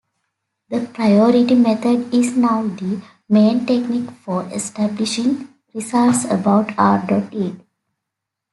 The priority method is now the main technique for establishing results about r.e.